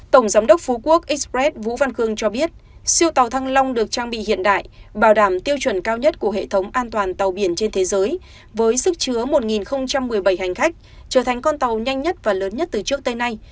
tổng giám đốc phú quốc express vũ văn khương cho biết siêu tàu thăng long được trang bị hiện đại bảo đảm tiêu chuẩn cao nhất của hệ thống an toàn tàu biển trên thế giới với sức chứa một một mươi bảy hành khách trở thành con tàu nhanh nhất và lớn nhất từ trước tới nay